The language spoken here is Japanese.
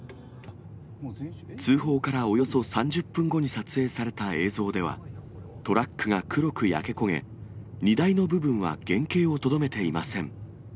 通報からおよそ３０分後に撮影された映像では、トラックが黒く焼け焦げ、荷台の部分は原形をとどめていません。